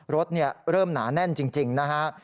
รถเริ่มหนาแน่นจริงนะฮะ